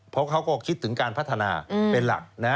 เพราะเขาก็คิดถึงการพัฒนาเป็นหลัก